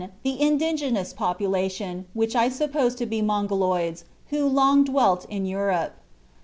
The indigenous population, which I suppose to be Mongoloids, who had long dwelt in Europe; 2.